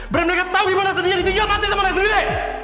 bener bener gak tau gimana sendiri yang ditinggal mati sama anak sendiri